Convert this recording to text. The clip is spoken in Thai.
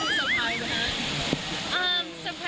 อีกนี้เป็นปีแรกที่ทำงานด้วยกันครับ